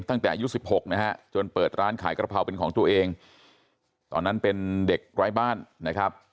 ตั้งแต่อายุ๑๖นะฮะจนเปิดร้านขายกระเพราเป็นของตัวเองตอนนั้นเป็นเด็กไร้บ้านนะครับ